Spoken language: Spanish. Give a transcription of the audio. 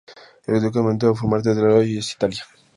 El ducado de Mantua formaba parte de lo que hoy es Italia.